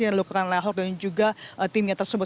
yang dilakukan oleh ahok dan juga timnya tersebut